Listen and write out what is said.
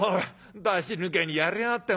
出し抜けにやりやがって。